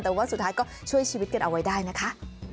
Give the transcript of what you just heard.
แต่ว่าสุดท้ายก็ช่วยชีวิตกันเอาไว้ได้นะคะ